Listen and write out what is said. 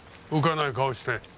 浮かない顔して。